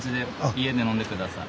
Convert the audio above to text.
家で飲んで下さい。